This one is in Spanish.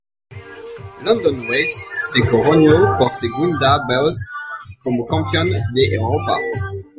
London Wasps se coronó por segunda vez como Campeón de Europa.